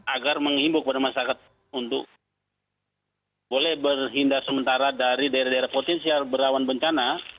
agar mengimbuk pada masyarakat untuk boleh berhinda sementara dari daerah daerah potensial berawan bencana